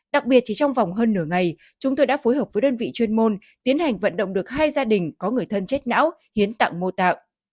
đặc biệt chỉ trong vòng hơn nửa ngày chúng tôi đã phối hợp với đơn vị chuyên môn tiến hành vận động được hai gia đình có người thân chết não hiến tặng mô tạng